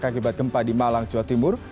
akibat gempa di malang jawa timur